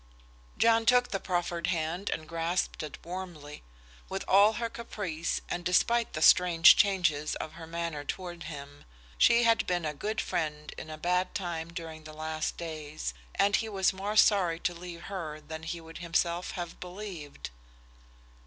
John took the proffered hand and grasped it warmly. With all her caprice, and despite the strange changes of her manner toward him, she had been a good friend in a bad time during the last days, and he was more sorry to leave her than he would himself have believed.